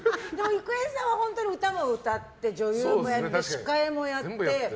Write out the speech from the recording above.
郁恵さんは本当に歌も歌って女優もやって司会もやって。